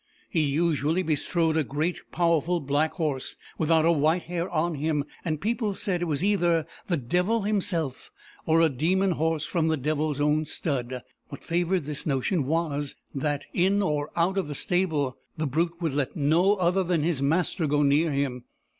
He usually bestrode a great powerful black horse, without a white hair on him; and people said it was either the devil himself, or a demon horse from the devil's own stud. What favoured this notion was, that, in or out of the stable, the brute would let no other than his master go near him.